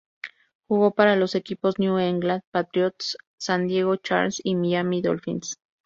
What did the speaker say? Jugó para los equipos New England Patriots, San Diego Chargers y Miami Dolphins.